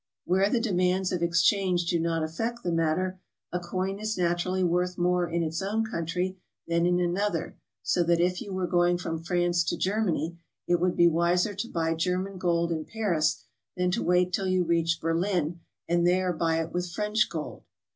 Where »the demands of exchange do not affect the matter, a coin is naturally worth imore in its own country than in another, so that if you were going from France to Germany it would be wiser to buy German gold in Paris than to wait till you reached Berlin and there buy it with Frenc'h gold.